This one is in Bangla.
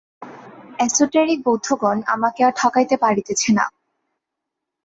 এসোটেরিক বৌদ্ধগণ আমাকে আর ঠকাইতে পারিতেছে না।